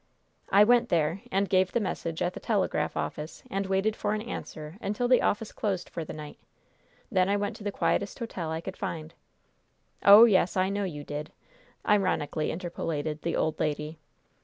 "I went there, and gave the message at the telegraph office, and waited for an answer until the office closed for the night. Then I went to the quietest hotel I could find " "Oh, yes, I know you did!" ironically interpolated the old lady.